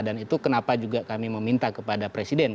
dan itu kenapa juga kami meminta kepada presiden